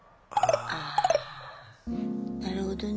なるほどね。